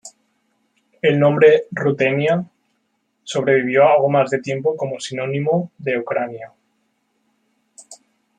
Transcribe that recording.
El nombre "Rutenia" sobrevivió algo más de tiempo como sinónimo de Ucrania.